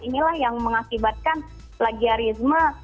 inilah yang mengakibatkan plagiarisme